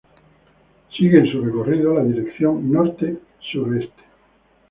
Sigue, en su recorrido, la dirección norte-sureste.